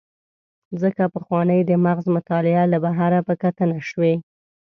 ځکه پخوانۍ د مغز مطالعه له بهر په کتنه شوې.